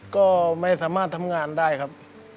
ก็ไม่สามารถทำงานได้ครับ